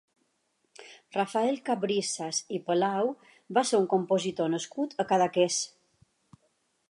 Rafael Cabrisas i Palau va ser un compositor nascut a Cadaqués.